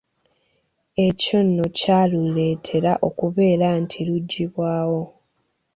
Ekyo nno kyaluleetera okubeera nti lugyibwawo.